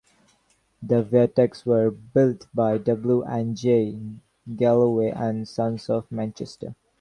The viaducts were built by W and J Galloway and Sons of Manchester.